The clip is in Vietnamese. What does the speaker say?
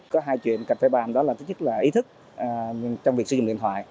có hai chuyện cạnh phê bàn đó là tức chức là ý thức trong việc sử dụng điện thoại